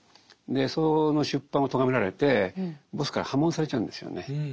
その出版をとがめられてボスから破門されちゃうんですよね。